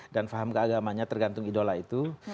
dan paham keagamannya tergantung idola itu